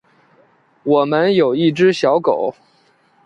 我们有一只小狗